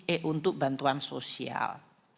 eh untuk bantuan sosial